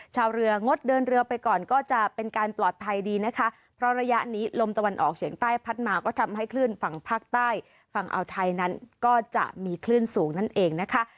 ชาวเรืองดเดินเรือไปก่อนก็จะเป็นการปลอดภัยดีนะคะเพราะระยะนี้ลมตะวันออกเฉียงใต้พัดมาก็ทำให้คลื่นฝั่งภาคใต้ฝั่งอ่าวไทยนั้นก็จะมีคลื่นสูงนั่นเองนะคะ